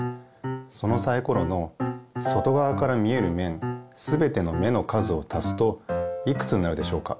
そのサイコロの外側から見えるめんすべての目の数をたすといくつになるでしょうか？